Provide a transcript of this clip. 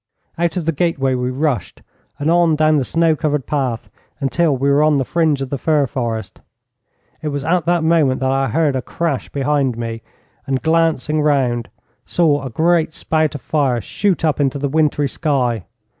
Out of the gateway we rushed, and on down the snow covered path until we were on the fringe of the fir forest. It was at that moment that I heard a crash behind me, and, glancing round, saw a great spout of fire shoot up into the wintry sky.